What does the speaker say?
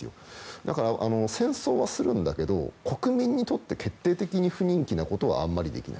だから戦争はするんだけど国民にとって決定的に不人気なことはあまりできない。